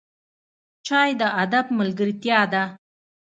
چای د ادب ملګرتیا ده